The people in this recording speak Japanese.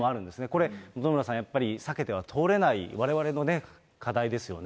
これ、本村さん、避けては通れない、われわれのね、課題ですよね。